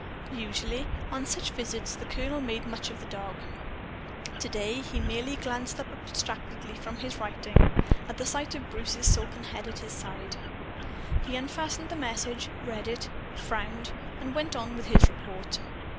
Usually, on such visits, the colonel made much of the dog. To day he merely glanced up abstractedly from his writing, at sight of Bruce's silken head at his side. He unfastened the message, read it, frowned and went on with his report.